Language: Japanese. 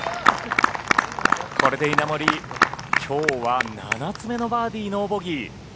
これで稲森、きょうは７つ目のバーディー、ノーボギー。